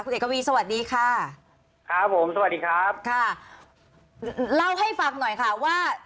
เอกวีสวัสดีค่ะครับผมสวัสดีครับค่ะเล่าให้ฟังหน่อยค่ะว่า